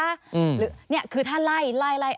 หรือเนี่ยคือถ้าไล่ไล่